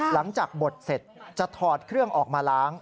บทเสร็จจะถอดเครื่องออกมาล้าง